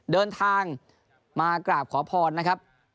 เดินทางมากราบขอพรนะครับ